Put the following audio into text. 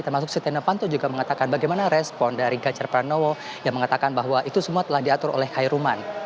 termasuk setia novanto juga mengatakan bagaimana respon dari ganjar pranowo yang mengatakan bahwa itu semua telah diatur oleh hairuman